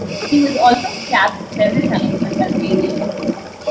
He was also capped several times with Albania.